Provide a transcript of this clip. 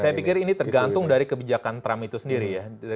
saya pikir ini tergantung dari kebijakan trump itu sendiri ya